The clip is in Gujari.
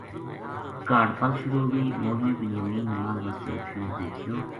کاہڈ پل شروع ہو گئی مولوی بنیامین نماز واسطے اُٹھیو دیکھیو